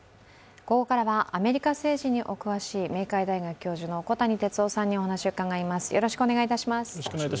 ここからはアメリカ政治にお詳しい明海大学教授の小谷哲男さんにお話を伺います。